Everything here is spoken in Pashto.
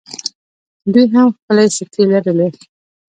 دوی هم خپلې سکې لرلې